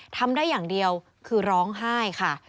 ทำได้อย่างเดียวคือร้องไห้ค่ะ